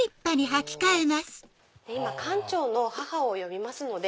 今館長の母を呼びますので。